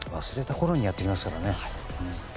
忘れたころにやってきますからね。